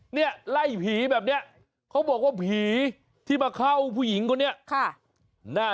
เนี่ยไล่ผีแบบนี้เขาบอกว่าผีที่มาเข้าผู้หญิงคนนี้